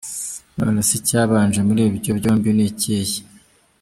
None se icyabanje muri ibyo byombi ni ikihe?